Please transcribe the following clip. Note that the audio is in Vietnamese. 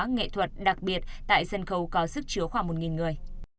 nghệ thuật đặc biệt tại sân khấu có sức chứa khoảng một người